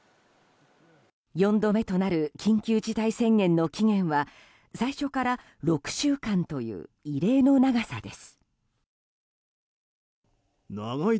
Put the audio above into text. ４度目となる緊急事態宣言の期限は最初から６週間という異例の長さです。